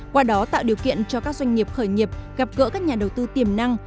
qua đó tạo điều kiện cho các doanh nghiệp khởi nghiệp gặp gỡ các nhà đầu tư tiềm năng